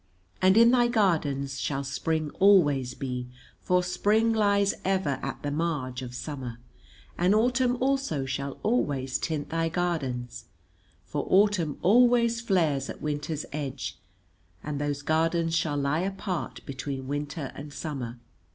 "And in thy gardens shall spring always be, for spring lies ever at the marge of summer; and autumn also shall always tint thy gardens, for autumn always flares at winter's edge, and those gardens shall lie apart between winter and summer.